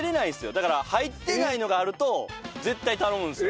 だから入ってないのがあると絶対頼むんですよ。